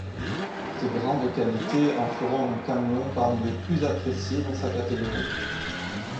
Ses grandes qualités en feront un camion parmi les plus appréciés dans sa catégorie.